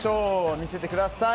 見せてください。